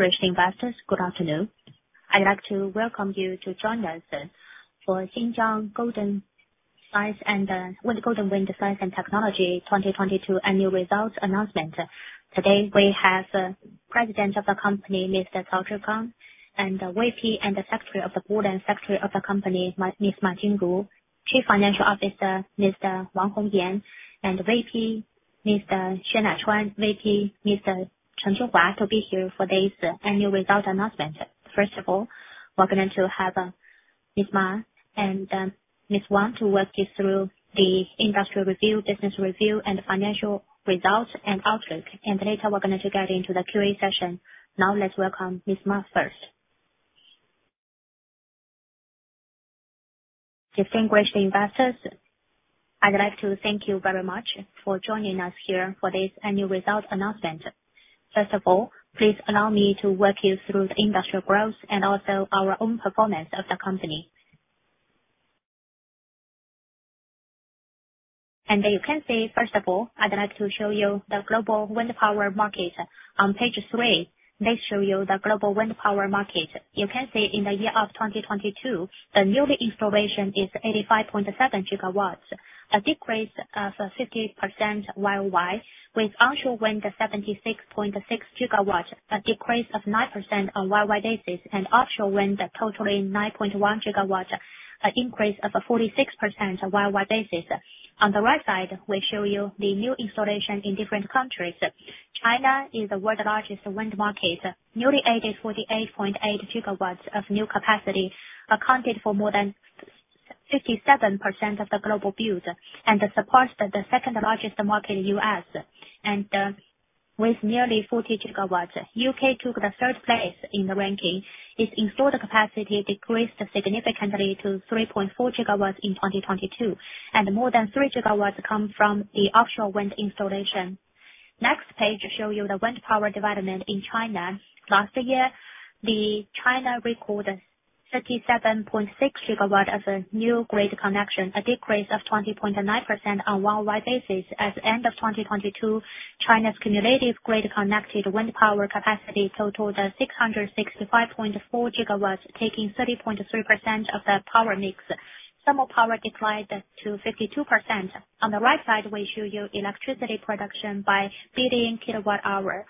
Distinguished investors, good afternoon. I'd like to welcome you to join us for Goldwind Science & Technology 2022 annual results announcement. Today, we have President of the Company, Mr. Cao Zhigang, and VP and the Secretary of the Board and Secretary of the Company, Ms. Ma Jinru. Chief Financial Officer, Mr. Wang Hongyan, and VP Mr. Chen Quihua, VP Mr. Chen Quihua to be here for this annual result announcement. First of all, we're going to have Ms. Ma and Ms. Wang to walk you through the industrial review, business review, and financial results and outlook. Later, we're going to get into the Q&A session. Now, let's welcome Ms. Ma first. Distinguished investors, I'd like to thank you very much for joining us here for this annual results announcement. First of all, please allow me to walk you through the industrial growth and also our own performance of the company. You can see, first of all, I'd like to show you the global wind power market. On page three, they show you the global wind power market. You can see in the year of 2022, the newly installation is 85.7 gigawatts, a decrease of 50% year-wide with onshore wind of 76.6 GW, a decrease of 9% on year-wide basis and offshore wind totaling 9.1 GW, an increase of 46% on year-wide basis. On the right side, we show you the new installation in different countries. China is the world's largest wind market. Newly added 48.8 GW of new capacity accounted for more than 57% of the global build and supports the second-largest market in the U.S. With nearly 40 GW, the U.K. took the third place in the ranking. Its installed capacity decreased significantly to 3.4 GW in 2022, and more than 3 GW come from the offshore wind installation. Next page show you the wind power development in China. Last year, the China recorded 37.6 GW of new grid connection, a decrease of 20.9% on year wide basis. At end of 2022, China's cumulative grid-connected wind power capacity totaled 665.4 GW, taking 30.3% of the power mix. Thermal power declined to 52%. On the right side, we show you electricity production by billion kilowatt-hour.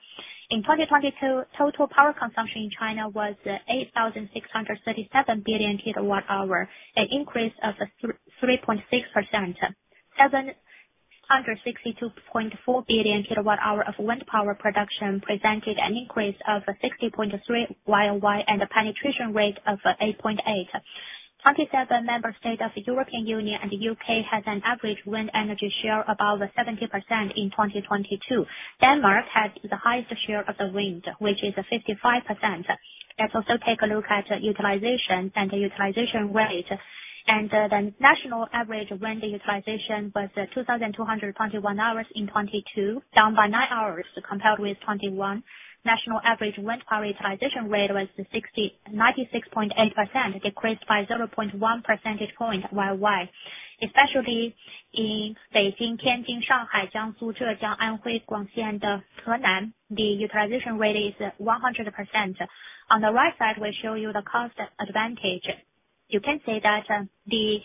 In 2022, total power consumption in China was 8,637 billion kilowatt-hour, an increase of 3.6%. 762.4 billion kilowatt-hour of wind power production presented an increase of 60.3 year wide and a penetration rate of 8.8%. 27 member state of European Union and the U.K. has an average wind energy share above 70% in 2022. Denmark has the highest share of the wind, which is 55%. Let's also take a look at utilization and the utilization rate. The national average wind utilization was 2,221 hours in 2022, down by 9 hours compared with 2021. National average wind power utilization rate was 96.8%, decreased by 0.1 percentage point year wide. Especially in Beijing, Tianjin, Shanghai, Jiangsu, Zhejiang, Anhui, Guangxi, and Henan, the utilization rate is 100%. On the right side, we show you the cost advantage. You can see that the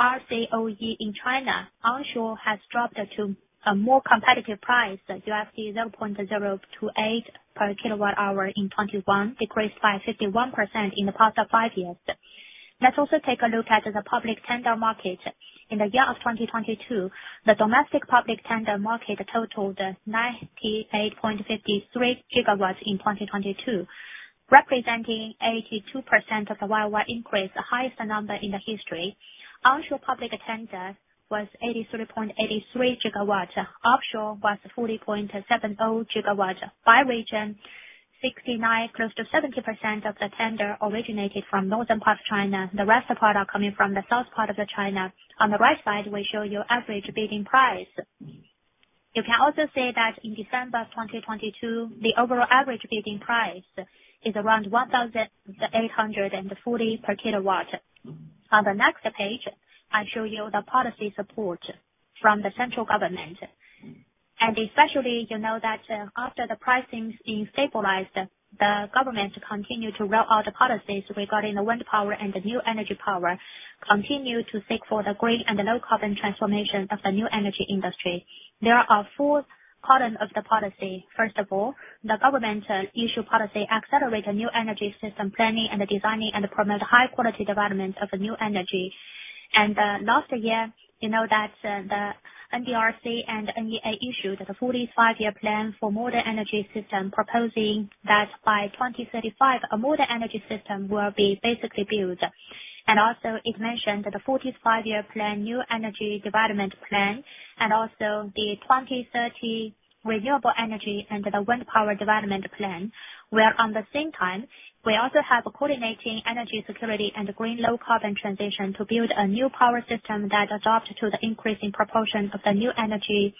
LCOE in China onshore has dropped to a more competitive price. You have 0.028 per kilowatt-hour in 2021, decreased by 51% in the past five years. Let's also take a look at the public tender market. In the year of 2022, the domestic public tender market totaled 98.53 GW in 2022, representing 82% of the year-wide increase, the highest number in the history. Onshore public tender was 83.83 GW. Offshore was 40.70 GW. By region, 69% close to 70% of the tender originated from northern part of China. The rest of part are coming from the south part of the China. On the right side, we show you average bidding price. You can also see that in December of 2022, the overall average bidding price is around 1,840 per kW. On the next page, I show you the policy support from the central government. Especially, you know that, after the pricing being stabilized, the government continue to roll out the policies regarding the wind power and the new energy power, continue to seek for the green and the low carbon transformation of the new energy industry. There are four column of the policy. First of all, the government issue policy accelerate the new energy system planning and the designing and promote high quality development of the new energy. Last year, the NDRC and NEA issued the 14th Five-Year Plan for a Modern Energy System proposing that by 2035, a modern energy system will be basically built. It mentioned the 14th Five-Year Plan for Renewable Energy Development and also the 2030 renewable energy targets under the 14th Five-Year Plan for Renewable Energy Development, where on the same time, we also have coordinating energy security and green low carbon transition to build a new power system that adopt to the increasing proportion of the new energy.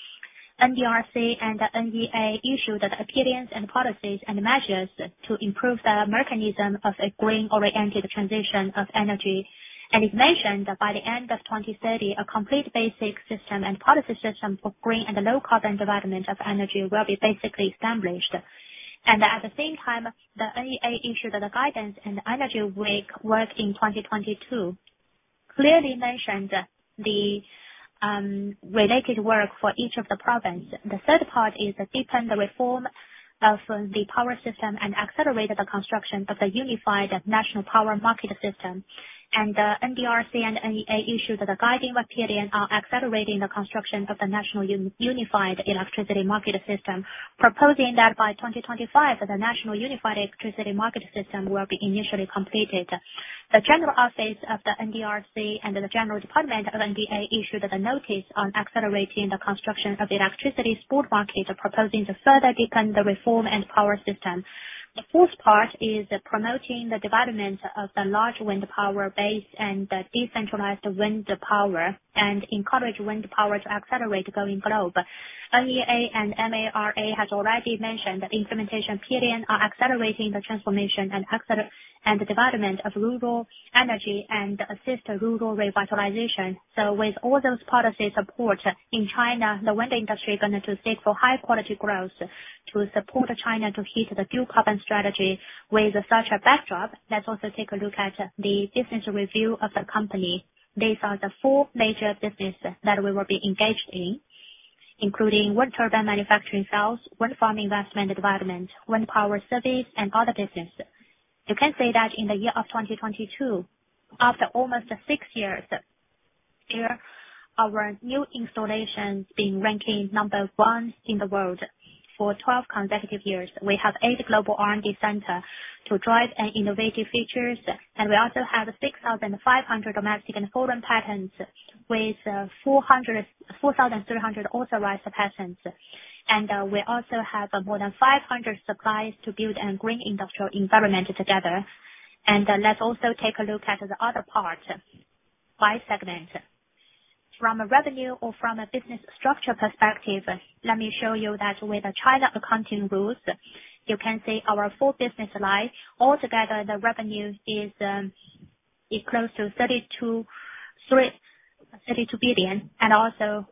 NDRC and NEA issued the opinions and policies and measures to improve the mechanism of a green oriented transition of energy. It mentioned that by the end of 2030, a complete basic system and policy system for green and low carbon development of energy will be basically established. At the same time, the NEA issued the guidance and Energy Week work in 2022 clearly mentioned the related work for each of the province. The third part is to deepen the reform of the power system and accelerate the construction of a unified national power market system. NDRC and NEA issued the guiding opinion on accelerating the construction of the national unified electricity market system, proposing that by 2025, the national unified electricity market system will be initially completed. The general office of the NDRC and the General Department of NEA issued a notice on accelerating the construction of electricity spot market, proposing to further deepen the reform and power system. The fourth part is promoting the development of the large wind power base and the decentralized wind power and encourage wind power to accelerate the going global. NEA and MARA has already mentioned the implementation period are accelerating the transformation and the development of rural energy and assist rural revitalization. With all those policy support in China, the wind industry is going to seek for high quality growth to support China to hit the dual carbon strategy. With such a backdrop, let's also take a look at the business review of the company. These are the four major businesses that we will be engaged in, including wind turbine manufacturing sales, wind farm investment development, wind power service and other business. You can say that in the year of 2022, after almost six years here, our new installation being ranking number one in the world for 12 consecutive years. We have eight global R&D center to drive innovative features, and we also have 6,500 domestic and foreign patents with four hundred - 4,300 authorized patents. We also have more than 500 suppliers to build a green industrial environment together. Let's also take a look at the other part by segment. From a revenue or from a business structure perspective, let me show you that with the China accounting rules, you can see our full business line. Altogether, the revenue is close to 32.3 billion, 32 billion. Also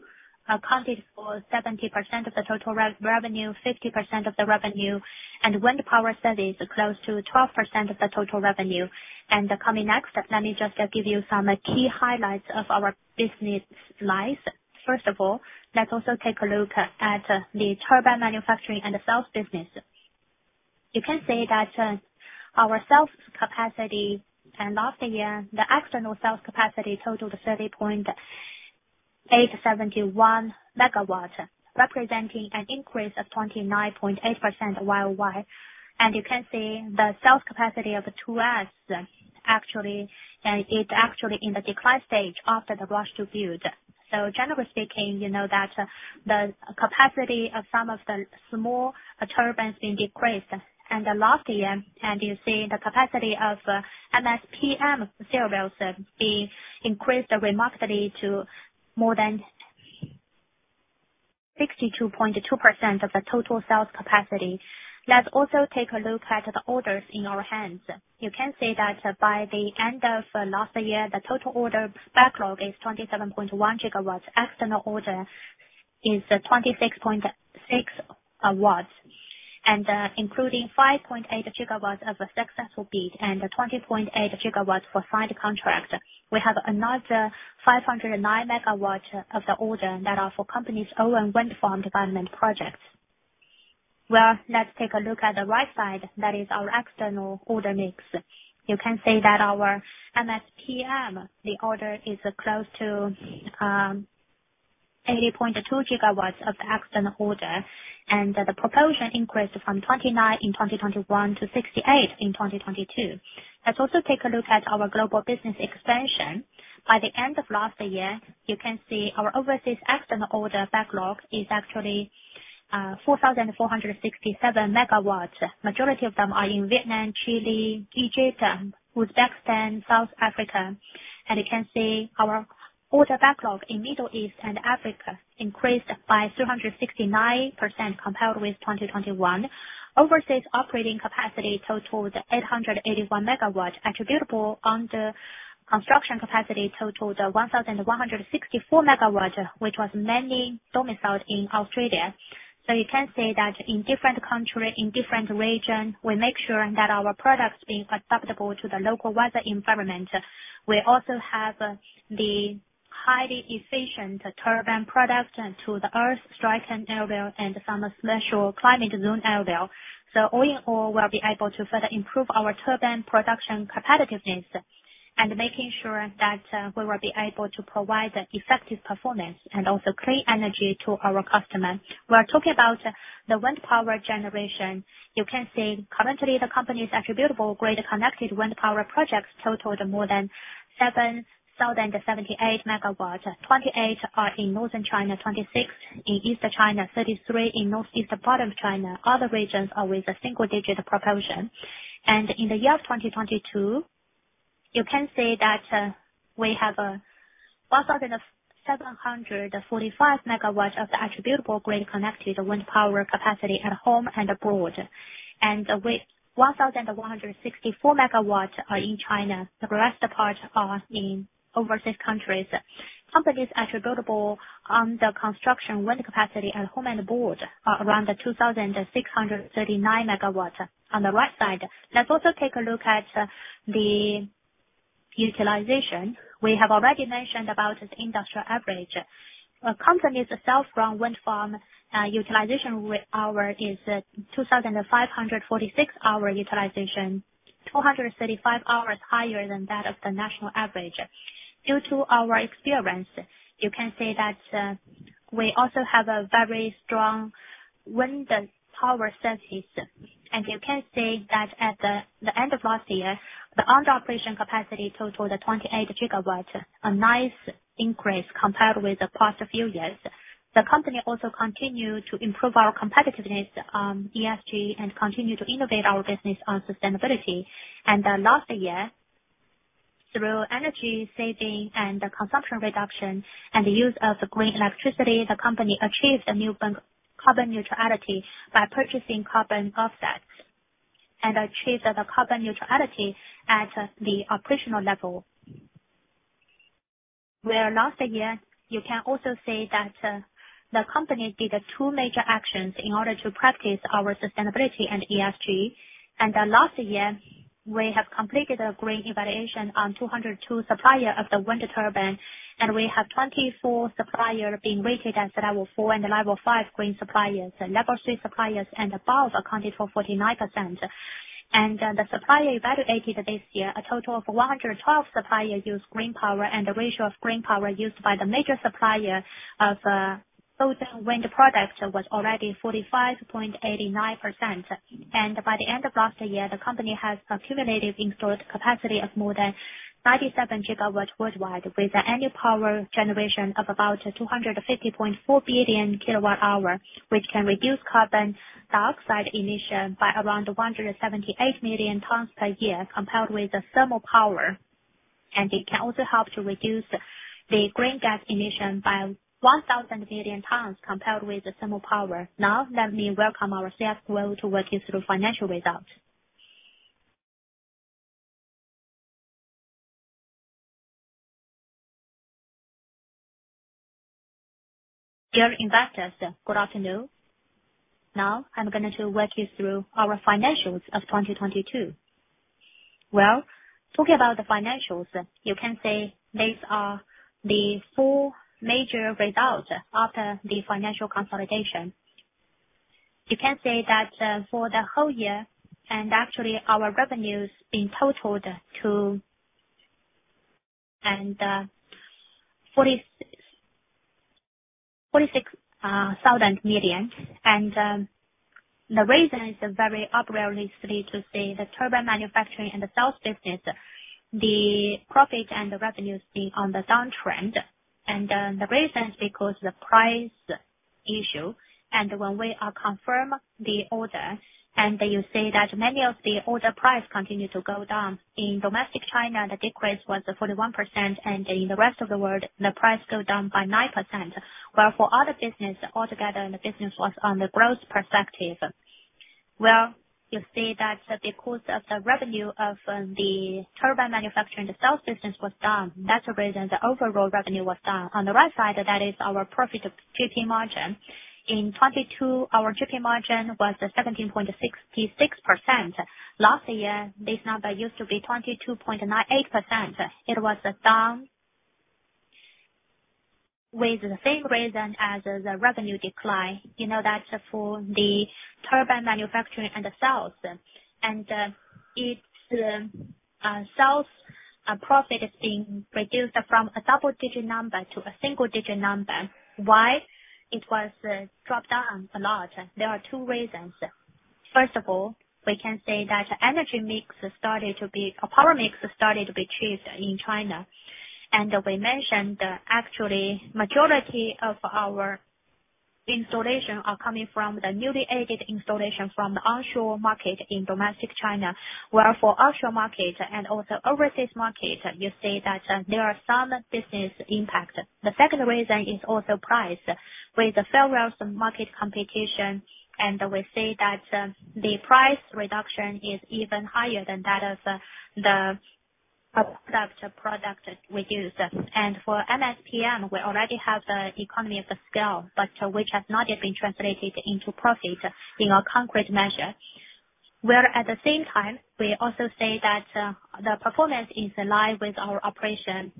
accounted for 70% of the total revenue, 50% of the revenue, and wind power service close to 12% of the total revenue. Coming next, let me just give you some key highlights of our business slides. First of all, let's also take a look at the turbine manufacturing and sales business. You can see that our sales capacity and last year the external sales capacity totaled 30.871 MW, representing an increase of 29.8% YoY. You can see the sales capacity of 2S actually, it's actually in the decline stage after the rush to build. Generally speaking, you know that the capacity of some of the small turbines being decreased. Last year, and you see the capacity of MSPM being increased remarkably to more than 62.2% of the total sales capacity. Let's also take a look at the orders in our hands. You can see that by the end of last year, the total order backlog is 27.1 GW. External order is 26.6 watts, including 5.8 GW of a successful bid and 20.8 GW for signed contract. We have another 509 MW of the order that are for company's own wind farm development projects. Well, let's take a look at the right side, that is our external order mix. You can see that our MSPM, the order is close to 80.2 GW of the external order, and the proportion increased from 29% in 2021 to 68% in 2022. Let's also take a look at our global business expansion. By the end of last year, you can see our overseas external order backlog is actually 4,467 MW. Majority of them are in Vietnam, Chile, Egypt, Uzbekistan, South Africa. You can see our order backlog in Middle East and Africa increased by 369% compared with 2021. Overseas operating capacity totaled 881 MW, attributable under construction capacity totaled 1,164 MW, which was mainly domiciled in Australia. You can say that in different countries, in different regions, we make sure that our products being adaptable to the local weather environment. We also have the highly efficient turbine product to the earth striking area and some special climate zone area. All in all, we'll be able to further improve our turbine production competitiveness and making sure that we will be able to provide effective performance and also clean energy to our customers. We are talking about the wind power generation. You can see currently the company's attributable grid-connected wind power projects totaled more than 7,078 MW, 28 are in northern China, 26 in eastern China, 33 in northeastern part of China. Other regions are with a single-digit proportion. In the year of 2022, you can see that we have 1,745 MW of the attributable grid-connected wind power capacity at home and abroad. With 1,164 MW are in China, the rest part are in overseas countries. Company's attributable the construction wind capacity at home and abroad are around 2,639 megawatts. On the right side, let's also take a look at the utilization. We have already mentioned about the industrial average. A company's self-run wind farm utilization with hour is 2,546 hour utilization, 235 hours higher than that of the national average. Due to our experience, you can say that we also have a very strong wind power services. You can say that at the end of last year, the on operation capacity totaled at 28 GW, a nice increase compared with the past few years. The company also continued to improve our competitiveness on ESG and continue to innovate our business on sustainability. Last year, through energy saving and consumption reduction and the use of green electricity, the company achieved a new carbon neutrality by purchasing carbon offsets, and achieved the carbon neutrality at the operational level. Where last year, you can also see that the company did two major actions in order to practice our sustainability and ESG. Last year, we have completed a green evaluation on 202 supplier of the wind turbine, and we have 24 supplier being rated as Level 4 and Level 5 green suppliers. Level 3 suppliers and above accounted for 49%. The supplier evaluated this year, a total of 112 suppliers use green power, and the ratio of green power used by the major supplier of Goldwind wind product was already 45.89%. By the end of last year, the company has a cumulative installed capacity of more than 97 GW worldwide, with an annual power generation of about 250.4 billion kWh, which can reduce carbon dioxide emission by around 178 million tons per year compared with the thermal power. It can also help to reduce the green gas emission by 1 billion tons compared with the thermal power. Now let me welcome our CFO to walk you through financial results. Dear investors, good afternoon. Now I'm gonna walk you through our financials of 2022. Well, talking about the financials, you can say these are the four major results after the financial consolidation. You can say that, for the whole year, actually our revenues being totaled to and CNY 46 billion. The reason is very obviously to say the turbine manufacturing and the sales business, the profit and the revenues being on the downtrend. The reason is because the price issue. When we confirm the order, and you see that many of the order price continued to go down. In domestic China, the decrease was 41%, and in the rest of the world, the price go down by 9%. For other business altogether, and the business was on the growth perspective. You see that because of the revenue of the turbine manufacturing, the sales business was down. That's the reason the overall revenue was down. On the right side, that is our profit GP margin. In 2022, our GP margin was 17.66%. Last year, this number used to be 22.98%. It was down with the same reason as the revenue decline. You know that for the turbine manufacturing and the sales. And its sales profit is being reduced from a double-digit number to a single-digit number. Why it was dropped down a lot? There are two reasons. First of all, we can say that power mix started to be achieved in China. We mentioned actually majority of our installation are coming from the newly added installation from the onshore market in domestic China where for offshore market and also overseas market, you see that there are some business impact. The second reason is also price. With the fierce market competition, and we see that the price reduction is even higher than that of the product we use. For MSPM, we already have the economy of the scale, but which has not yet been translated into profit in our concrete measure. Where at the same time, we also say that the performance is aligned with our operation.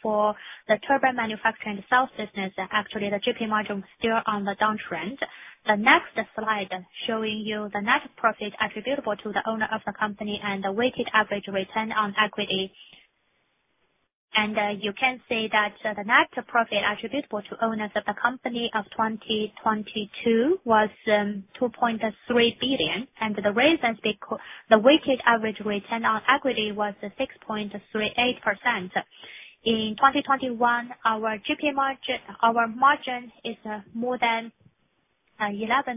For the turbine manufacturing sales business, actually the GP margin still on the downtrend. The next slide showing you the net profit attributable to the owner of the company and the weighted average return on equity. You can see that the net profit attributable to owners of the company of 2022 was 2.3 billion. The reason is the weighted average return on equity was 6.38%. In 2021, our margin is 11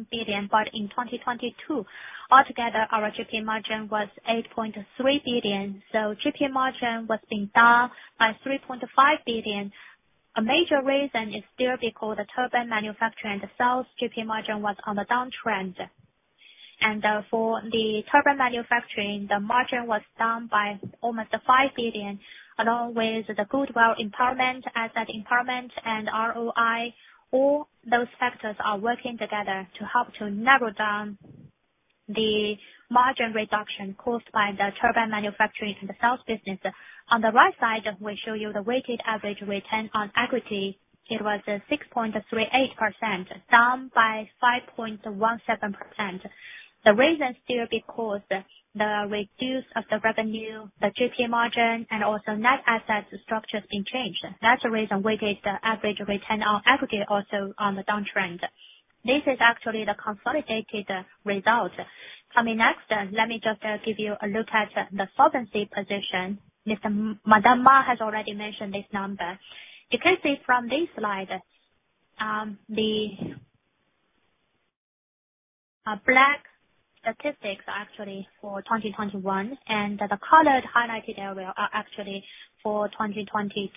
billion. In 2022, altogether our GP margin was 8.3 billion. GP margin was being down by 3.5 billion. A major reason is still because the turbine manufacturing themselves, GP margin was on the downtrend. For the turbine manufacturing, the margin was down by almost 5 billion, along with the goodwill impairment, asset impairment, and ROI. All those factors are working together to help to narrow down the margin reduction caused by the turbine manufacturing and the sales business. On the right side, we show you the weighted average return on equity. It was 6.38%, down by 5.17%. The reason still because the reduce of the revenue, the GP margin, and also net asset structure has been changed. That's the reason weighted average return on equity also on the downtrend. This is actually the consolidated result. Coming next, let me just give you a look at the solvency position. Madam Ma has already mentioned this number. You can see from this slide, black statistics actually for 2021, and the colored highlighted area are actually for 2022.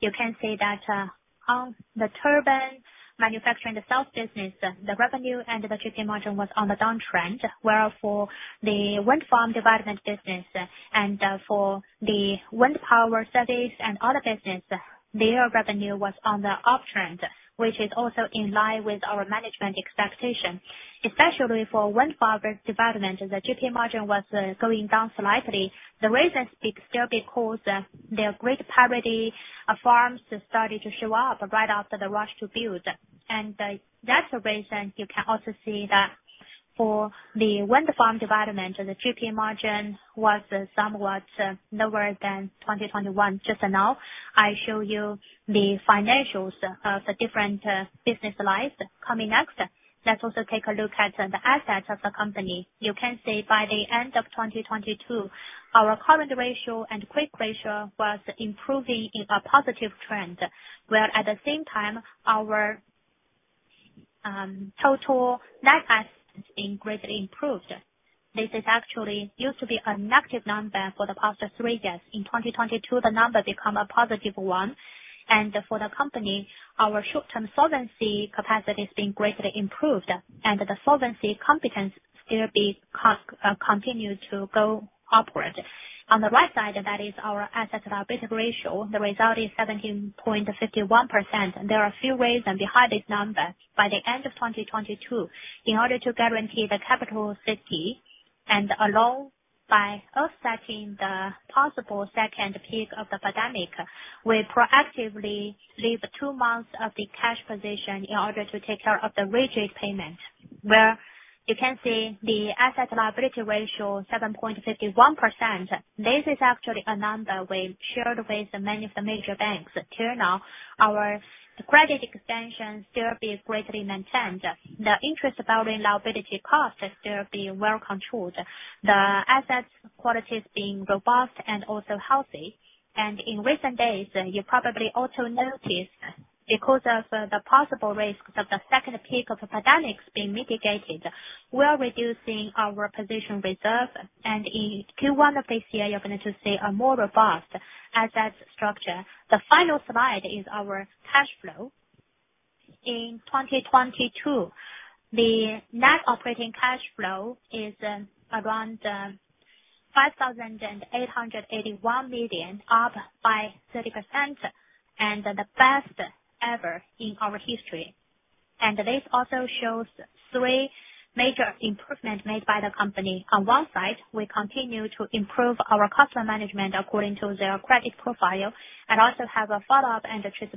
You can see that, on the turbine manufacturing itself business, the revenue and the GP margin was on the downtrend. For the wind farm development business and, for the wind power service and other business, their revenue was on the uptrend, which is also in line with our management expectation. Especially for wind farm development, the GP margin was going down slightly. The reason is still because, there are grid parity of farms started to show up right after the rush to build. That's the reason you can also see that for the wind farm development, the GP margin was somewhat lower than 2021. Just now, I show you the financials of the different business lines. Coming next, let's also take a look at the assets of the company. You can see by the end of 2022, our current ratio and quick ratio was improving in a positive trend, where at the same time our total net assets being greatly improved. This is actually used to be a negative number for the past three years. In 2022, the number become a positive one. For the company, our short-term solvency capacity is being greatly improved. The solvency competence still be cost, continue to go upward. On the right side, that is our asset-liability ratio. The result is 17.51%. There are a few ways behind this number. By the end of 2022, in order to guarantee the capital safety and allow by offsetting the possible second peak of the pandemic, we proactively leave two months of the cash position in order to take care of the rigid payment. Where you can see the asset-liability ratio, 7.51%. This is actually a number we've shared with many of the major banks. Till now, our credit extension still be greatly maintained. The interest about liability costs has still been well controlled. The assets quality is being robust and also healthy. In recent days, you probably also noticed, because of the possible risks of the second peak of the pandemic being mitigated, we are reducing our position reserve. In Q1 of this year, you're going to see a more robust asset structure. The final slide is our cash flow. In 2022, the net operating cash flow is around 5,881 million, up by 30% and the best ever in our history. This also shows three major improvements made by the company. On one side, we continue to improve our customer management according to their credit profile and also have a follow-up and a trace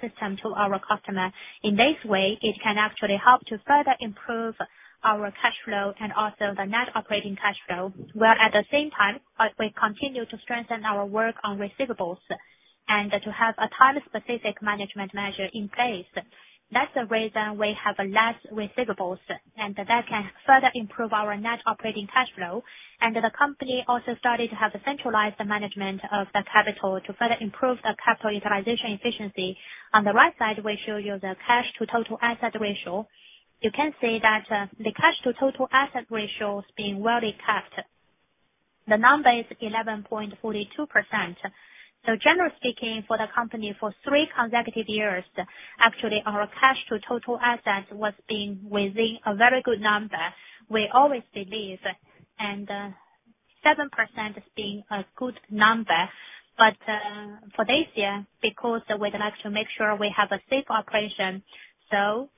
system to our customer. In this way, it can actually help to further improve our cash flow and also the net operating cash flow, where at the same time, we continue to strengthen our work on receivables, and to have a time-specific management measure in place. That's the reason we have less receivables, and that can further improve our net operating cash flow. The company also started to have centralized management of the capital to further improve the capital utilization efficiency. On the right side, we show you the cash to total asset ratio. You can see that the cash to total asset ratio is being well-kept. The number is 11.42%. Generally speaking, for the company for three consecutive years, actually, our cash to total assets was being within a very good number. We always believe 7% is being a good number. For this year, because we'd like to make sure we have a safe operation,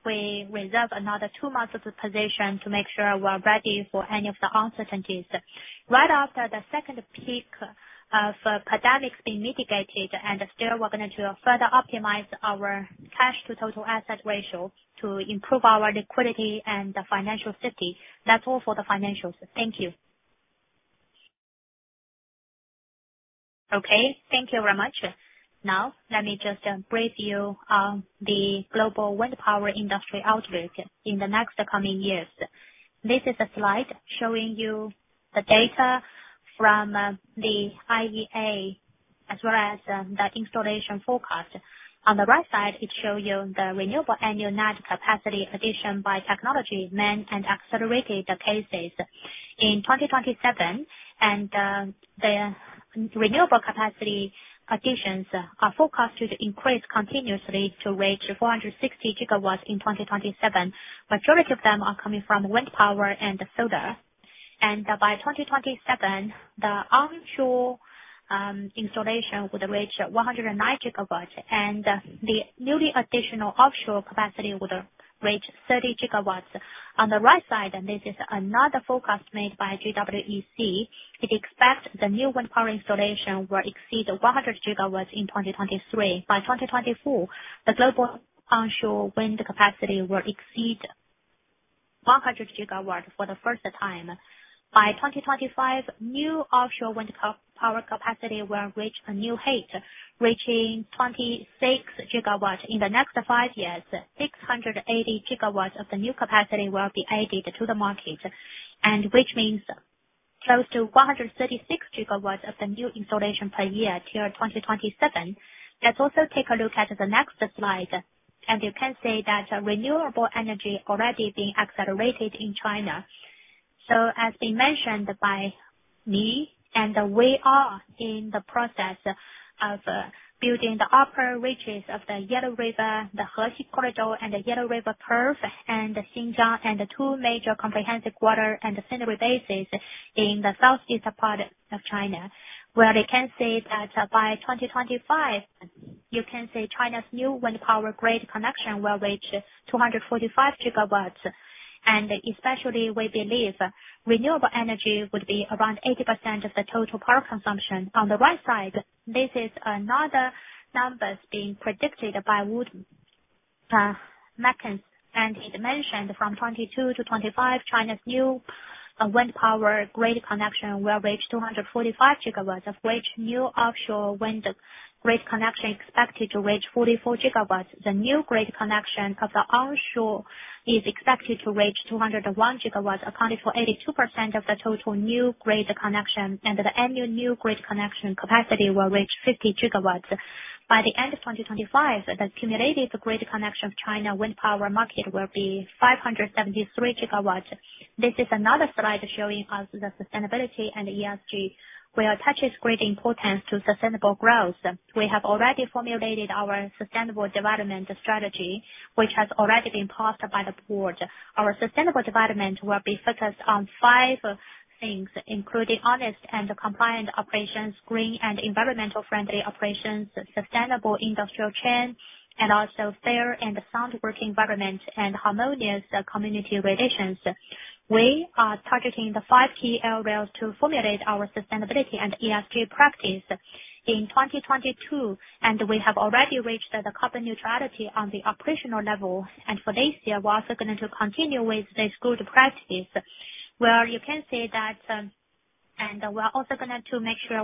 we reserve another two months of the position to make sure we're ready for any of the uncertainties. Right after the second peak of pandemic's been mitigated, still we're going to further optimize our cash to total asset ratio to improve our liquidity and the financial safety. That's all for the financials. Thank you. Thank you very much. Let me just brief you on the global wind power industry outlook in the next coming years. This is a slide showing you the data from the IEA. As well as the installation forecast. On the right side, it show you the renewable annual net capacity addition by technology, main and accelerated cases. In 2027, renewable capacity additions are forecasted to increase continuously to reach 460 GW in 2027. Majority of them are coming from wind power and solar. By 2027, the onshore installation would reach 109 GW, and the newly additional offshore capacity would reach 30 GW. On the right side, this is another forecast made by GWEC. It expects the new wind power installation will exceed 100 GW in 2023. By 2024, the global onshore wind capacity will exceed 100 gigawatt for the first time. By 2025, new offshore wind power capacity will reach a new height, reaching 26 GW. In the next five years, 680 GW of the new capacity will be added to the market, which means close to 136 gigawatts of the new installation per year till 2027. Let's also take a look at the next slide. As you can see that renewable energy already being accelerated in China. As been mentioned by me, and we are in the process of building the upper reaches of the Yellow River, the Hexi Corridor and the Yellow River curve and Xinjiang, and the two major comprehensive water and the scenery bases in the southeastern part of China, where we can say that by 2025, you can say China's new wind power grade connection will reach 245 GW. Especially we believe renewable energy would be around 80% of the total power consumption. On the right side, this is another numbers being predicted by Wood Mackenzie. It mentioned from 2022 to 2025, China's new wind power grade connection will reach 245 GW, of which new offshore wind grade connection expected to reach 44 GW. The new grid connection of the onshore is expected to reach 201 GW, accounting for 82% of the total new grid connection. The annual new grid connection capacity will reach 50 GW. By the end of 2025, the cumulative grid connection of China wind power market will be 573 GW. This is another slide showing us the sustainability and ESG, where attaches great importance to sustainable growth. We have already formulated our sustainable development strategy, which has already been passed by the board. Our sustainable development will be focused on five things, including honest and compliant operations, green and environmental friendly operations, sustainable industrial chain, and also fair and sound work environment, and harmonious community relations. We are targeting the five key areas to formulate our sustainability and ESG practice in 2022. We have already reached the carbon neutrality on the operational level. For this year, we are also going to continue with this good practice. Where you can see that, we are also going to make sure 100%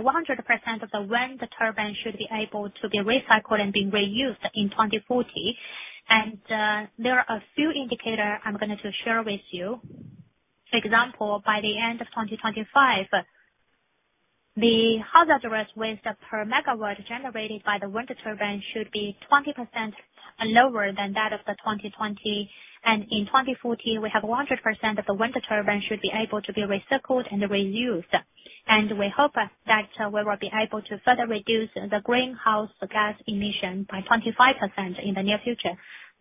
of the wind turbine should be able to be recycled and being reused in 2040. There are a few indicator I'm going to share with you. Example, by the end of 2025, the hazardous waste per megawatt generated by the wind turbine should be 20% lower than that of the 2020. In 2040, we have 100% of the wind turbine should be able to be recycled and reused. We hope that we will be able to further reduce the greenhouse gas emission by 25% in the near future.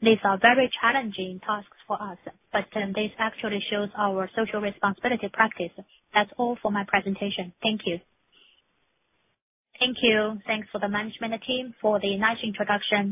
These are very challenging tasks for us, but this actually shows our social responsibility practice. That's all for my presentation. Thank you. Thank you. Thanks for the management team for the nice introduction.